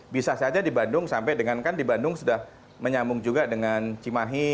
bisa saja di bandung sampai dengan kan di bandung sudah menyambung juga dengan cimahi